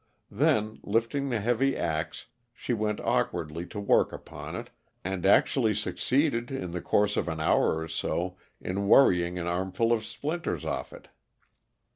Then, lifting the heavy axe, she went awkwardly to work upon it, and actually succeeded, in the course of half an hour or so, in worrying an armful of splinters off it.